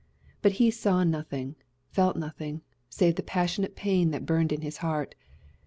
But he saw nothing, felt nothing, save the passionate pain that burned in his heart.